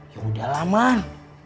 ya udahlah man